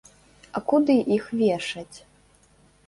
А куды іх вешаць?